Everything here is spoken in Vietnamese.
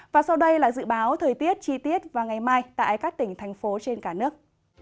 và sau đây là dự báo thời tiết chi tiết vào ngày mai tại các tỉnh thành phố trên cả nước